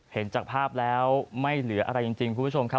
เห็นจากภาพแล้วไม่เหลืออะไรจริงคุณผู้ชมครับ